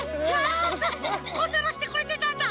こんなのしてくれてたんだ！